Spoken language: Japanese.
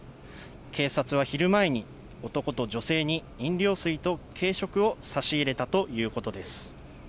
警察は昼前に、男と女性に飲料水と軽食を差し入れたということです。